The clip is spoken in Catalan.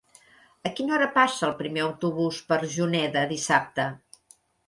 A quina hora passa el primer autobús per Juneda dissabte?